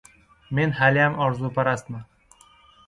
Men haliyam orzuparastman